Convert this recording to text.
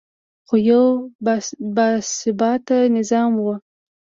خو یو باثباته نظام نه و